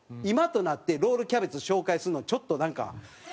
今となってロールキャベツ紹介するのちょっとなんか。